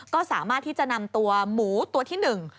ก็สามารถที่จะนำตัวหมูตัวที่หนึ่ง